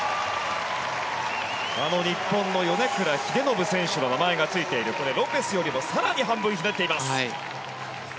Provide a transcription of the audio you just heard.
あの日本の米倉英信選手の名前がついているロペスよりも更に半分ひねっています。